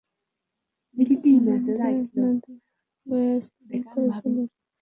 রাবনাবাদ নদে বয়া স্থাপন করায় জেলেরা মাছ শিকার করতে পারছেন না।